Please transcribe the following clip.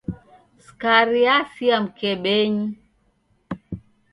Skari yasia mkebenyi.